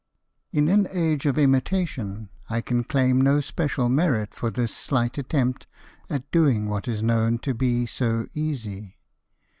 [In an age of imitation, I can claim no special merit for this slight attempt at doing what is known to be so easy.